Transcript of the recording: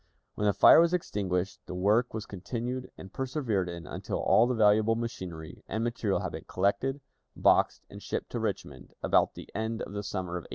When the fire was extinguished, the work was continued and persevered in until all the valuable machinery and material had been collected, boxed, and shipped to Richmond, about the end of the summer of 1861.